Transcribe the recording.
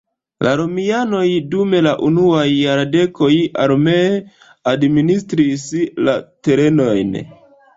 La romianoj dum la unuaj jardekoj armee administris la terenojn.